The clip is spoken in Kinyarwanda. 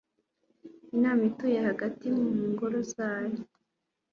imana ituye hagati mu ngoro zaho